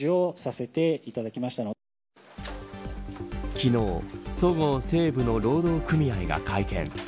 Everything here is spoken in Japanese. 昨日、そごう・西武の労働組合が会見。